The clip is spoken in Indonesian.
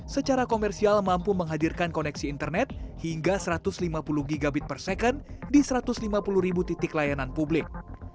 secara komersial mampu menghadirkan koneksi internet hingga satu ratus lima puluh gb per second di satu ratus lima puluh ribu titik layanan publik